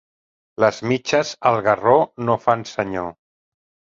Les mitges al garró no fan senyor.